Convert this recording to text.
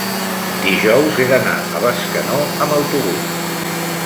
dijous he d'anar a Bescanó amb autobús.